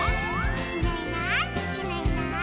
「いないいないいないいない」